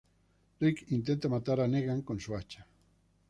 Rick intenta matar a Negan con su hacha.